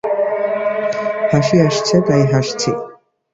হাসি আসছে, তাই হাসছি।